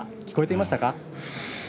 聞こえていましたか。